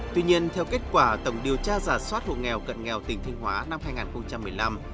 tuy nhiên theo kết quả tổng điều tra giả soát hộ nghèo cận nghèo tỉnh thanh hóa năm hai nghìn một mươi năm